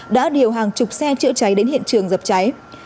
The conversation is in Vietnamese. đã điều hàng chục xe chữa cháy đến hiện trường dập cháy